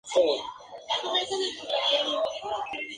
El nivel C, causa daños simulados en el muñeco, pero no físicos.